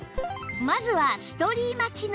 まずはストリーマ機能